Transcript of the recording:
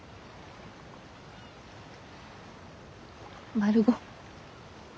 マルゴ？